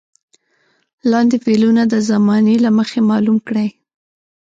لاندې فعلونه د زمانې له مخې معلوم کړئ.